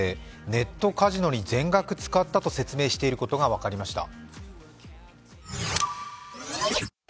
ネットカジノに全額使ったと説明していることが分かりました。